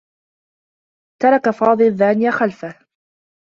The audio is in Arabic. ترك فاضل دانية خلفه.